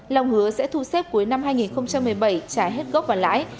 long hứa sẽ thu xếp cuối năm hai nghìn một mươi bảy trả hết gốc và lãi